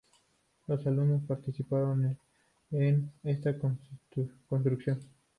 Los alumnos participaron en esta construcción.